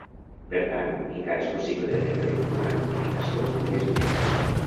Per tant, encara és possible de rebre una notificació els dies vinents.